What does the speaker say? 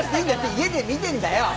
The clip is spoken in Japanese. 家で見てんだよ！